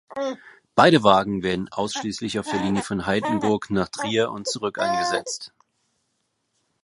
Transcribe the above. Beide Wagen werden ausschließlich auf der Linie von Heidenburg nach Trier und zurück eingesetzt.